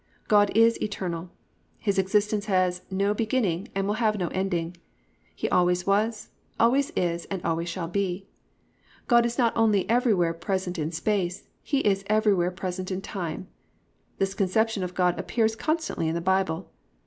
God is eternal. His existence had no beginning and will have no ending, He always was, always is and always shall be. God is not only everywhere present in space, He is everywhere present in time. This conception of God appears constantly in the Bible.